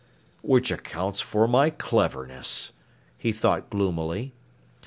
"Which accounts for my cleverness," he thought gloomily.